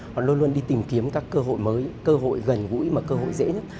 họ luôn luôn đi tìm kiếm các cơ hội mới cơ hội gần gũi mà cơ hội dễ nhất